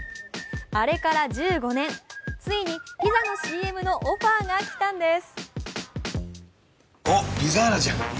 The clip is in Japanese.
あれから１５年、ついにピザのＣＭのオファーが来たんです。